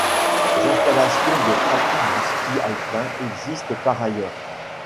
Des installations de pratique du ski alpin existent par ailleurs.